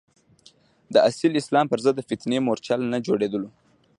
د اصیل اسلام پر ضد د فتنې مورچل نه جوړېدلو.